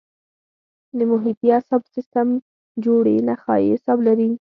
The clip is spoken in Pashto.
د محیطي اعصابو سیستم جوړې نخاعي اعصاب لري.